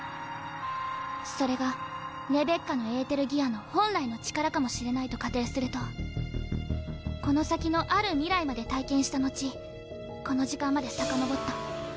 それがレベッカのエーテルギアの本来の力かもしれないと仮定するとこの先のある未来まで体験した後この時間までさかのぼった。